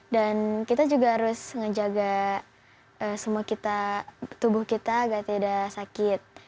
dan kita juga harus ngejaga semua kita tubuh kita agak tidak sakit